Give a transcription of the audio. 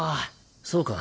そうか。